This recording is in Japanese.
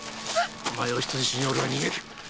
お前を人質に俺は逃げる。